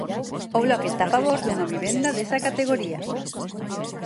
O Bloque está a favor dunha vivenda desa categoría.